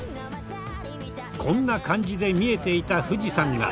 こんな感じで見えていた富士山が。